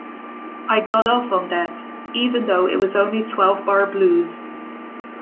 I got off on that, even though it was only twelve-bar blues.